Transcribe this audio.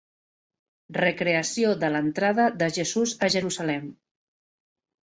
Recreació de l'entrada de Jesús a Jerusalem.